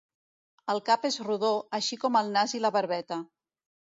El cap és rodó, així com el nas i la barbeta.